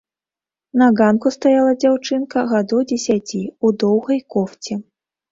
На ганку стаяла дзяўчынка гадоў дзесяці ў доўгай кофце.